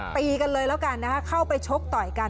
ตีกันเลยแล้วกันนะฮะเข้าไปชกต่อยกัน